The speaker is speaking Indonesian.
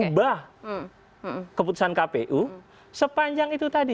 ubah keputusan kpu sepanjang itu tadi